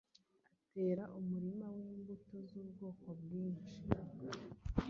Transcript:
Atera umurima w’Imbuto z’ ubwoko bwinshi